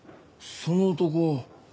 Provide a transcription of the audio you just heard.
その男